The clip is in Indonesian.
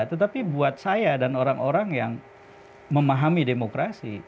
tetapi buat saya dan orang orang yang memahami demokrasi